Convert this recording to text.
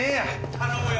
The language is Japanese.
頼むよ